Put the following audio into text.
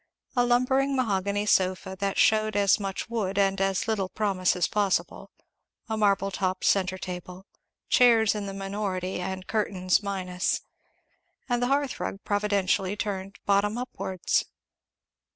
A lumbering mahogany sofa, that shewed as much wood and as little promise as possible; a marble topped centre table; chairs in the minority and curtains minus; and the hearth rug providently turned bottom upwards.